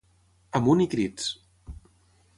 Amunt i crits!